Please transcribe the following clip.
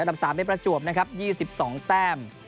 การทำสามในประจวบนะครับยี่สิบสองแต้ม